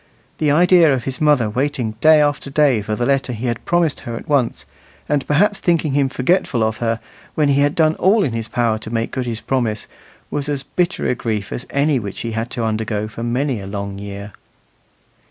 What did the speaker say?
The idea of his mother waiting day after day for the letter he had promised her at once, and perhaps thinking him forgetful of her, when he had done all in his power to make good his promise, was as bitter a grief as any which he had to undergo for many a long year.